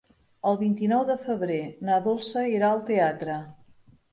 El vint-i-nou de febrer na Dolça irà al teatre.